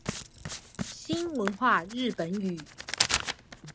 新文化日本語